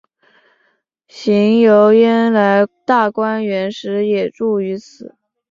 邢岫烟来大观园时也住于此。